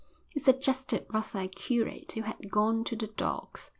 He suggested rather a curate who had gone to the dogs.